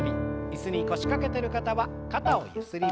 椅子に腰掛けてる方は肩をゆすります。